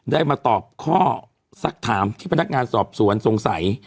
ได้มาตอบข้อสักถามที่พนักงานสอบสวนสงสัย